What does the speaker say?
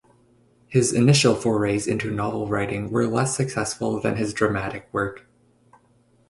His initial forays into novel writing were less successful than his dramatic work.